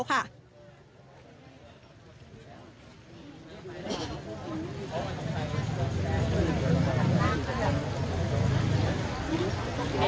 ในที่ที่